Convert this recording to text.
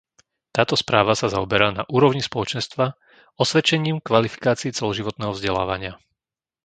Táto správa sa zaoberá na úrovni Spoločenstva osvedčením kvalifikácií celoživotného vzdelávania.